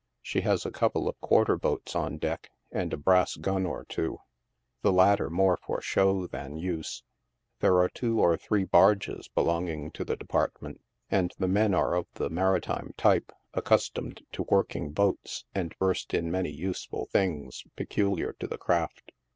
She has a couple of quarter boats on dec If, and a brass gun or two — the latter more for show than use. There are two or three barges belonging to the department, and the men are of the maritime type, accustomed to working boats, and versed in many useful things peculiar to the craft.